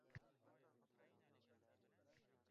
Siz shunday kitob yozing yoki tarjima qiling